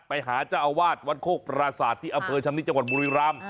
ไปหาเจ้าอวาดวันโครกปราศาสตร์ที่อเภอชะมนต์ที่จังหวัดบริราม